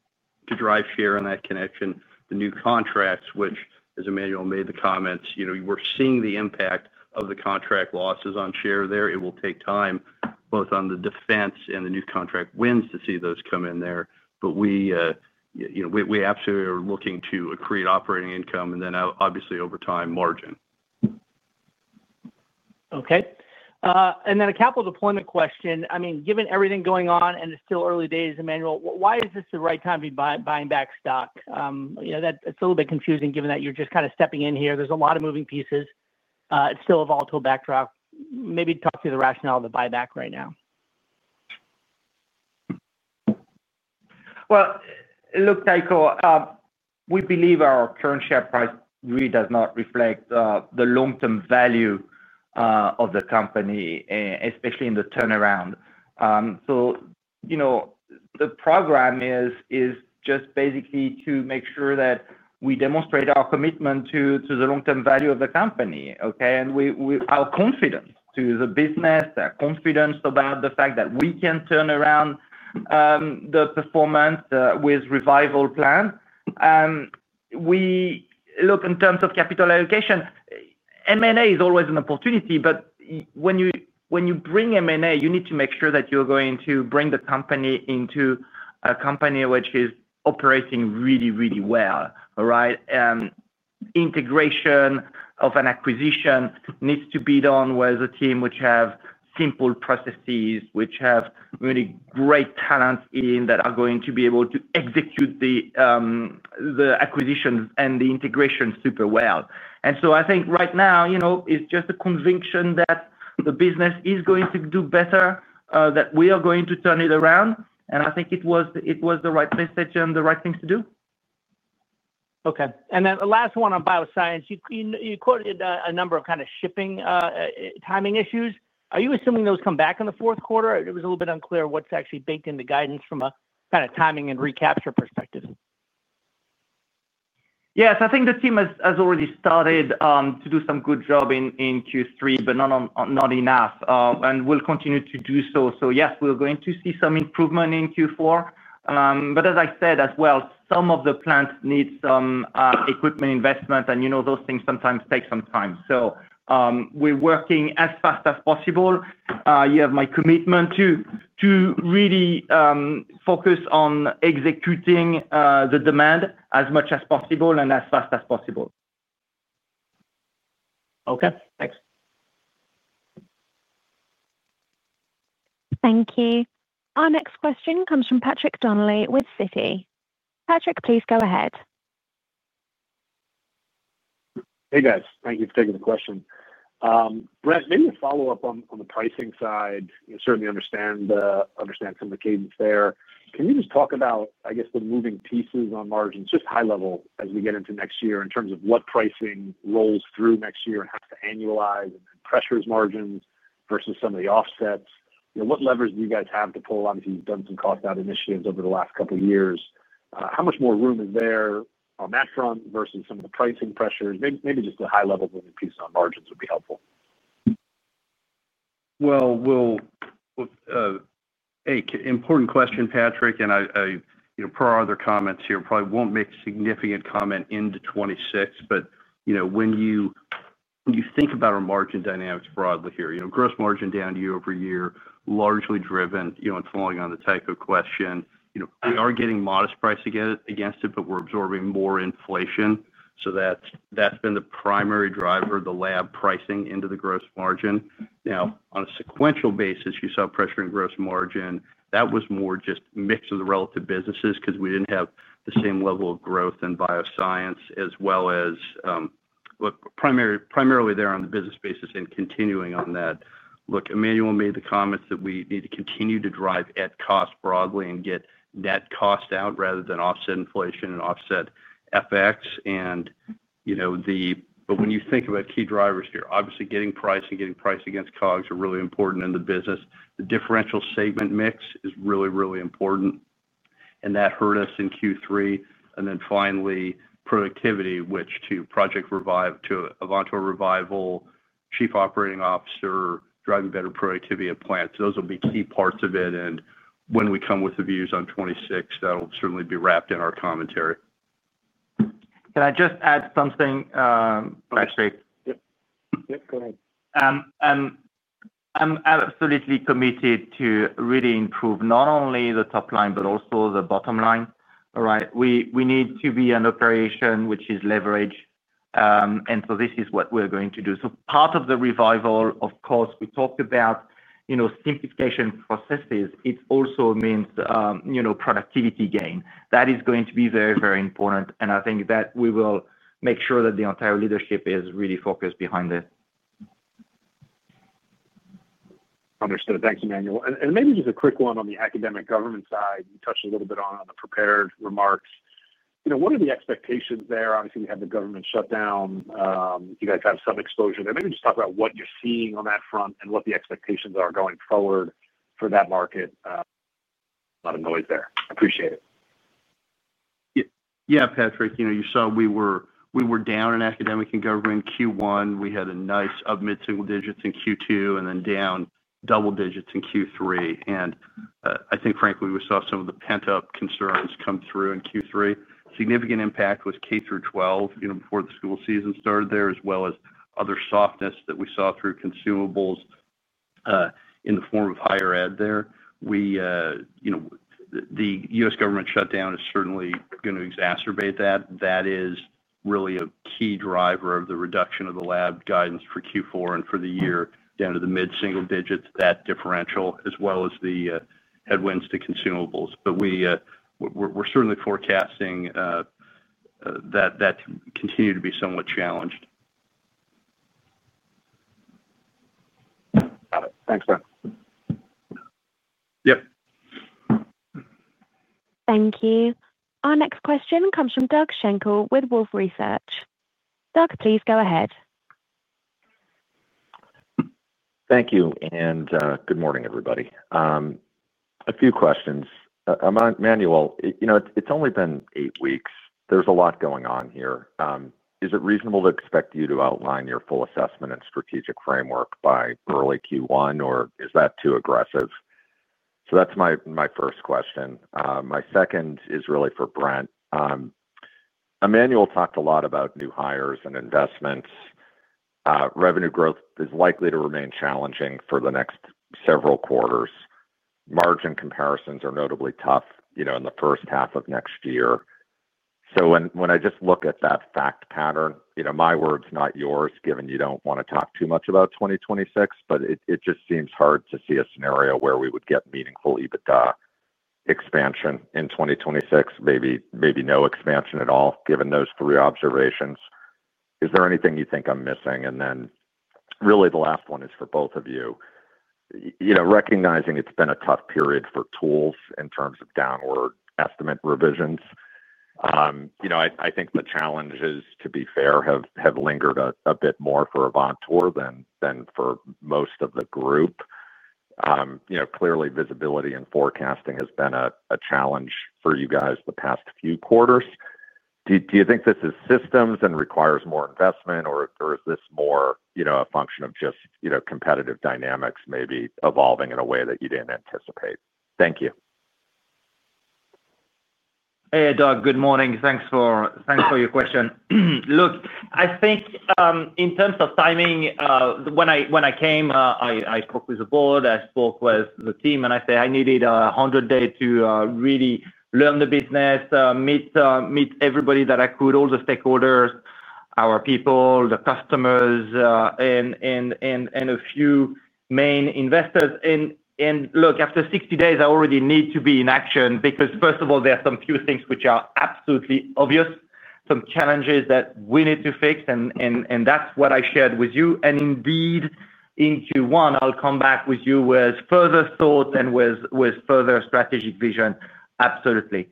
to drive share. In that connection, the new contracts which as Emmanuel made the comments, you know, we're seeing the impact of the contract losses on share there. It will take time both on the defense and the new contract wins to see those come in there. We absolutely are. Looking to accrete operating income and then obviously over time, margin. Okay. A capital deployment question. Given everything going on and it's still early days, Emmanuel, why is this the right time to be buying back stock? It's a little bit confusing given that you're just kind of stepping in here. There are a lot of moving pieces, still a volatile backdrop. Maybe talk to the rationale of the buyback right now. Tycho, we believe our current share price really does not reflect the long-term value of the company, especially in the turnaround. The program is just basically to make sure that we demonstrate our commitment to the long-term value of the company and our confidence in the business, confidence about the fact that we can turn around the performance with the revival plan. In terms of capital allocation, M&A is always an opportunity. When you bring M&A, you need to make sure that you're going to bring the company into a company which is operating really, really well. Integration of an acquisition needs to be done with a team which has simple processes, which has really great talent that are going to be able to execute the acquisitions and the integration super well. I think right now it's just a conviction that the business is going to do better, that we are going to turn it around. I think it was the right message and the right thing to do. Okay, and then the last one on Bioscience, you quoted a number of kind of shipping timing issues. Are you assuming those come back in the fourth quarter? It was a little bit unclear what's actually baked into guidance from a kind of timing and recapture perspective. Yes, I think the team has already started to do some good job in Q3, but not enough and will continue to do so. Yes, we're going to see some improve in Q4, but as I said as well, some of the plants need some equipment investment, and you know, those things sometimes take some time. We're working as fast as possible. You have my commitment to really focus on executing the demand as much as possible and as fast as possible. Okay, thanks. Thank you. Our next question comes from Patrick Donnelly with Citi. Patrick, please go ahead. Hey guys, thank you for taking the question. Brent, maybe a follow up on the pricing side. Certainly understand some of the cadence there. Can you just talk about, I guess the moving pieces on margins just high level as we get into next year in terms of what pricing rolls through next year and has to annualize and pressures margins versus some of the offsets? What levers do you guys have to pull? Obviously you've done some cost out initiatives over the last couple of years. How much more room is there on that front versus some of the pricing pressures? Maybe just a high level piece on margins would be helpful. Important question, Patrick, and per other comments here, probably won't make significant comment into 2026, but you know when you think about our margin dynamics broadly here. Gross margin down year over year, largely driven, it's falling on the type of question. We are getting modest price against it, but we're absorbing more inflation. That's been the primary driver, the lab pricing into the gross margin. Now, on a sequential basis, you saw pressure in gross margin that was more just mix of the relative businesses because. We didn't have the same level of growth in bioscience as well as primarily. There on the business basis. Continuing on that, look, Emmanuel made the comments that we need to continue to drive at cost broadly, and get net cost out rather that offset inflation and offset FX. You know the, when you think about key drivers here, obviously getting price and getting price against COGS are really important in the business. The differential segment mix is really, really important, and that hurt us in Q3. Finally, productivity, which to Project Revive, to Avantor Revival, Chief Operating Officer driving better productivity of plants, those will be key parts of it. When we come with the views on 2026, that will certainly be wrapped in our commentary. Can I just add something? I'm absolutely committed to really improve not only the top line, but also the bottom line. All right. We need to be an operation which is leveraged, and so this is what. We're going to do. Part of the revival, of course, we talked about simplification processes. It also means productivity gain. That is going to be very, very important, and I think that we will make sure that the entire leadership is really focused behind it. Understood. Thanks, Emmanuel. Maybe just a quick one on the academic government side, touched a little bit on the prepared remarks. You know, what are the expectations there? Obviously, we have the government shutdown. You guys have some exposure there. Maybe just talk about what you're seeing on that front and what the expectations are going forward for that market. A lot of noise there. Appreciate it. Yeah Patrick, you know you saw we were down in academic and government Q1. We had a nice up mid single digits in Q2, and then down double digits in Q3. I think, frankly, we saw some of the pent up concerns come through in Q3. Significant impact was K through 12, you know, before the school season started there. As well as other softness that we saw through consumables in the form of higher, there we, you know, the U.S. Government shutdown is certainly going to exacerbate that. That is really a key driver of the reduction of the Lab Solutions guidance for Q4 and for the year, down to the mid single digits, that differential as well as the headwinds to consumables. We're certainly forecasting that that continue to be somewhat challenged. Thanks, Brent. Yep. Thank you. Our next question comes from Doug Schenkel with Wolff Research. Doug, please go ahead. Thank you. Good morning everybody. A few questions. Emmanuel, you know, it's only been eight weeks. There's a lot going on here. Is it reasonable to expect you to outline your full assessment and strategic framework by early Q1 or is that too aggressive? That's my first question. My second is really for Brent. Emmanuel talked a lot about new hires and investments. Revenue growth is likely to remain challenging for the next several quarters. Margin comparisons are notably tough in the first half of next year. When I just look at that fact pattern, my words, not yours, given you don't want to talk too much about 2026, it just seems hard to see a scenario where we would get meaningful EBITDA expansion in 2026. Maybe, maybe no expansion at all. Given those three observations, is there anything you think I'm missing? The last one is for both of you. Recognizing it's been a tough period for tools in terms of downward estimate revisions, I think the challenges, to be fair, have lingered a bit more for Avantor than for most of the group. Clearly visibility and forecasting has been a challenge for you guys the past few quarters. Do you think this is systems and requires more investment or is this more a function of just competitive dynamics, maybe evolving in a way that you didn't anticipate? Thank you. Hey, Doug, good morning. Thanks for your question. I think in terms of timing, when I came, I focused on, with the board, I spoke with the team and I say I needed 100 days to really learn the business, meet everybody that I could, all the stakeholders, our people, the customers and a few main investors. After 60 days, I already need to be in action because, first of all, there are some few things which are absolutely obvious, some challenges that we need to fix. That's what I shared with you. In Q1, I'll come back with you with further thought and with further strategic vision. Absolutely.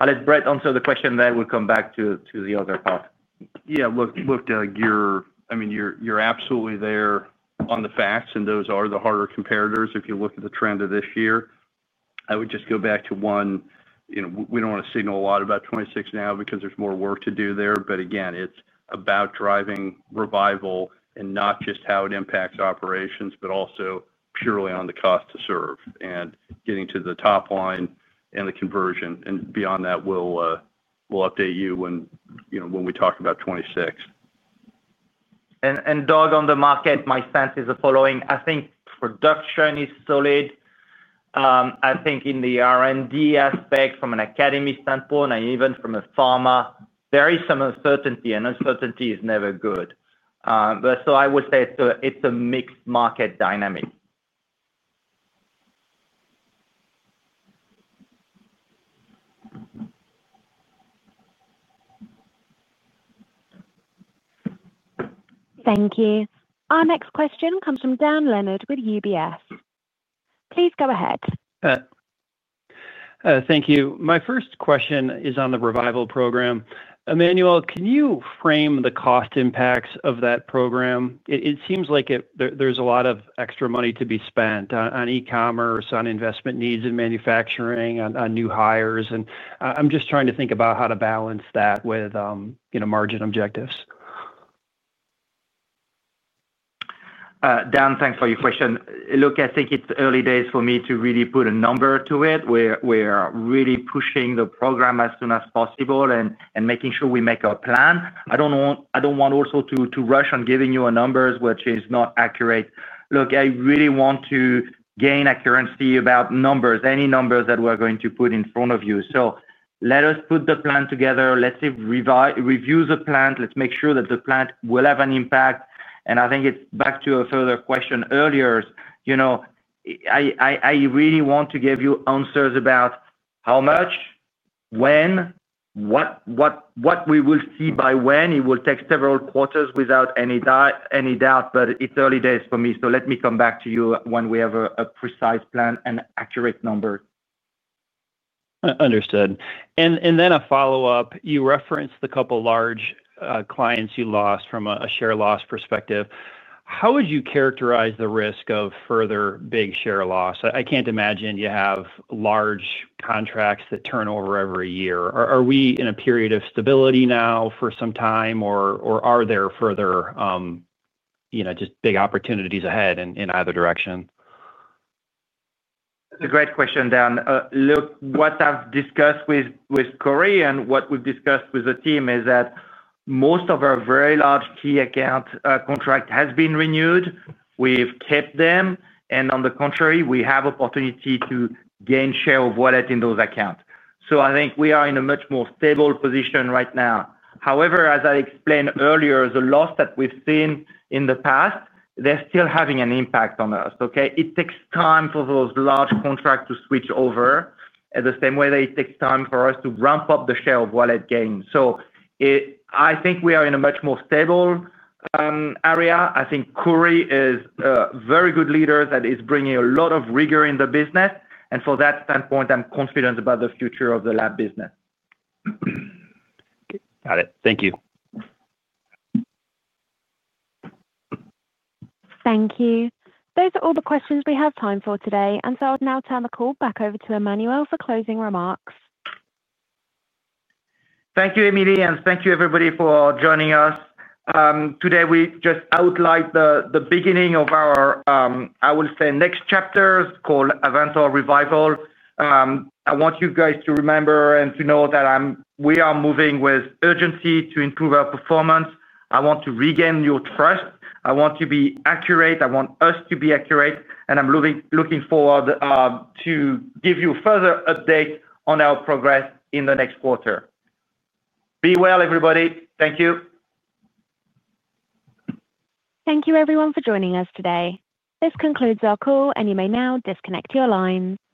I'll let Brent answer the question, then we'll come back to the other part. Yeah, look, Doug, you're absolutely there on the facts, and those are the harder comparators if you look at the trend of this year, I would just go back to one. We don't want to signal a lot about 2026 now because there's more work to do there. Again, it's about driving revival and not just how it impacts operations, but also purely on the cost to serve and getting to the top line and the conversion and beyond that. We'll update you when, you know, when we talk about 2026. And Doug on the market, my sense is the following. I think production is solid. I think in the R&D aspect from an academy standpoint and even from a pharmaceutical, there is some uncertainty and uncertainty is never good. I would say it's a mixed market dynamic. Thank you. Our next question comes from Dan Leonard with UBS. Please go ahead. Thank you. My first question is on the revival program. Emmanuel, can you frame the cost impacts of that program? It seems like there's a lot of extra money to be spent on e-commerce, on investment needs in manufacturing, on new hires, and I'm just trying to think about how to balance that with margin objectives. Dan, thanks for your question. I think it's early days for me to really put a number to it. We're really pushing the program as soon as possible and making sure we make a plan. I don't want to rush on giving you a number which is not accurate. I really want to gain accuracy about numbers, any numbers that we're going to put in front of you. Let us put the plan together. Let's review the plan. Let's make sure that the plan will have an impact. I think it's back to a further question earlier. I really want to give you answers about how much, when, what we will see, by when. It will take several quarters without any doubt. It's early days for me. Let me come back to you when we have a precise plan and accurate number. Understood. A follow up. You referenced the couple large clients you lost. From a share loss perspective, how would you characterize the risk of further big share loss? I can't imagine you have large contracts that turn over every year. Are we in a period of stability now for some time, or are there further just big opportunities ahead in either direction? Great question, Dan. Look, what I've discussed with Corey and what we've discussed with the team is that most of our very large key account contracts have been renewed. We've kept them, and on the contrary, we have opportunity to gain share of wallet in those accounts. I think we are in a much more stable position right now. However, as I explained earlier, the loss that we've seen in the past, they're still having an impact on us. It takes time for those large contracts to switch over, the same way that it takes time for us to ramp up the share of wallet gains. I think we are in a much more stable area. I think Corey is a very good leader that is bringing a lot of rigor in the business. From that standpoint, I'm confident about the future of the lab business. Got it. Thank you. Thank you. Those are all the questions we have time for today. I'll now turn the call back over to Emmanuelle for closing remarks. Thank you, Emily. Thank you everybody for joining us today. We just outline the beginning of our, I will say, next chapters called Avantor Revival. I want you guys to remember and to know that we are moving with urgency to improve our performance. I want to regain your trust. I want to be accurate. I want us to be accurate. I'm looking forward to give you further updates on our progress in the next quarter. Be well, everybody. Thank you. Thank you everyone for joining us today. This concludes our call, and you may now disconnect your lines.